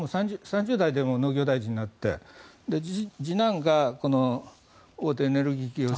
３０代でも農業大臣になって次男が大手エネルギー企業ＣＥＯ。